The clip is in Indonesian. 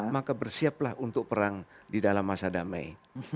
maka bersiaplah untuk perang di dalam masa damai